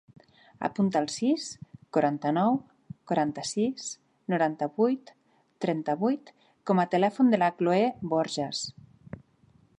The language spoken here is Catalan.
Apunta el sis, quaranta-nou, quaranta-sis, noranta-vuit, trenta-vuit com a telèfon de la Cloè Borjas.